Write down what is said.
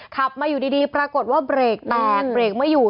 ขับมาอยู่ดีปรากฏว่าเบรกแตกเบรกไม่อยู่